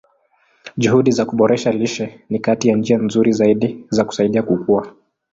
Juhudi za kuboresha lishe ni kati ya njia nzuri zaidi za kusaidia kukua.